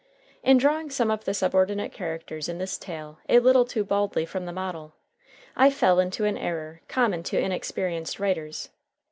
In drawing some of the subordinate characters in this tale a little too baldly from the model, I fell into an error common to inexperienced writers.